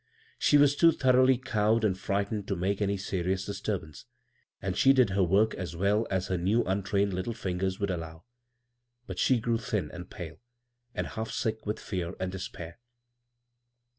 She was too thor oughly cowed anu frightened to make any serious disturbance, and she did her work as well as her untrained little lingeis would allow ; but she grew thin and pale, and hall sick with fear and despair.